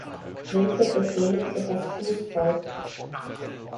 Wilke befehligte das Fußvolk.